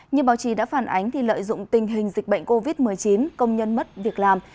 như báo chí đã phản ánh lợi dụng tình hình dịch bệnh covid một mươi chín công nhân mất việc làm